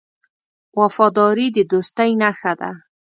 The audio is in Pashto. وفاداري د دوستۍ نښه ده.